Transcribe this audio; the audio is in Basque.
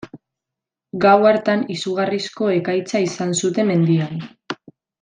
Gau hartan izugarrizko ekaitza izan zuten mendian.